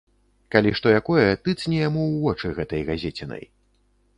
Калі што якое, тыцні яму ў вочы гэтай газецінай.